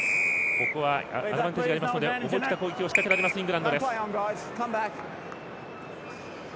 ここはアドバンテージがありますので思い切った攻撃を仕掛けられますイングランド。